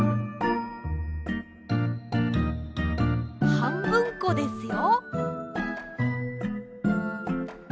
はんぶんこですよ。